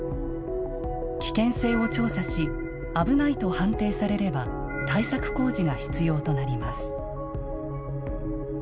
危険性を調査し危ないと判定されれば対策工事が必要となります。